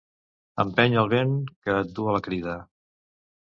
Empeny el vent que et duu a la crida.